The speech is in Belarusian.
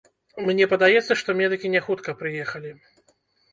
Мне падаецца, што медыкі не хутка прыехалі.